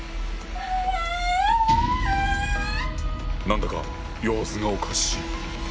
何だか様子がおかしい。